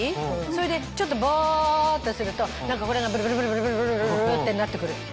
それでちょっとボっとするとこの辺がブルブルブルってなって来る。